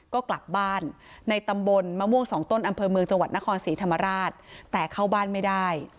ก็กลับบ้านในตำบลมะม่วงสองต้นอำเภอเมืองจังหวัดนครศรีธรรมราชแต่เข้าบ้านไม่ได้